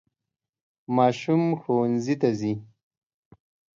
ماشوم ښوونځي ته ځي.